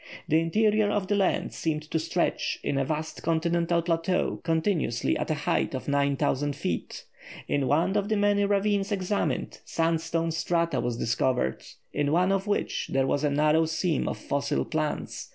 The interior of the land seemed to stretch in a vast continental plateau continuously at a height of 9000 feet. In one of the many ravines examined, sandstone strata were discovered, in one of which there was a narrow seam of fossil plants.